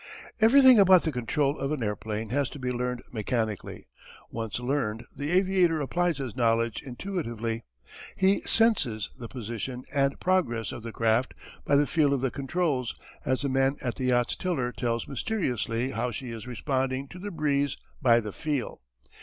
Everything about the control of an airplane has to be learned mechanically. Once learned the aviator applies his knowledge intuitively. He "senses" the position and progress of the craft by the feel of the controls, as the man at the yacht's tiller tells mysteriously how she is responding to the breeze by "the feel."